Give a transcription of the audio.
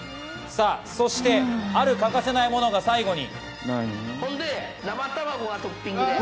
そしてある欠かせないものが最後に。